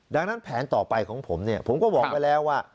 ดังนั้นแผนต่อไปของผมเนี่ยผมก็บอกไว้แล้วว่า